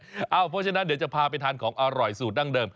เพราะฉะนั้นเดี๋ยวจะพาไปทานของอร่อยสูตรดั้งเดิม